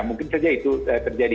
mungkin saja itu terjadi